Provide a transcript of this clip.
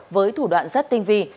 với thủ đoạn rất tinh vi